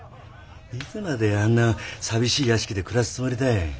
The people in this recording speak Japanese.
いつまであんな寂しい屋敷で暮らすつもりだい？